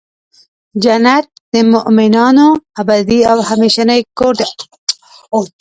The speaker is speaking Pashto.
جنت د مؤمنانو ابدې او همیشنی کور دی .